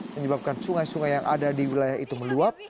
menyebabkan sungai sungai yang ada di wilayah itu meluap